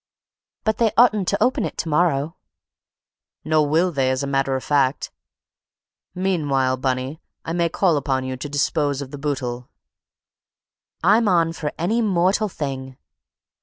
"But they oughtn't to open it to morrow." "Nor will they, as a matter of fact. Meanwhile, Bunny, I may call upon you to dispose of the boodle." "I'm on for any mortal thing!"